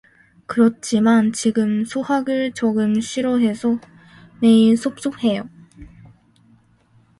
그렇지만 지금 수학을 조금 싫어해서 매일 섭섭해요.